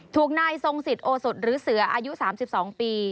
ถูกนายทรงสิทธิโอสดหรือเสืออายุ๓๒ปี